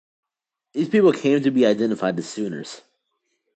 These people came to be identified as Sooners.